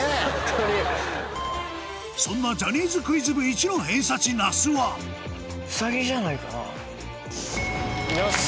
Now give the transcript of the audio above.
そんなジャニーズクイズ部一の偏差値那須はよし。